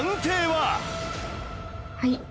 はい。